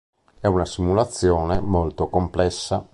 È una simulazione molto complessa.